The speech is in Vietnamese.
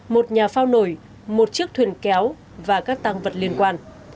một nhà phao nổi một chiếc thuyền kéo và các tăng vật liên quan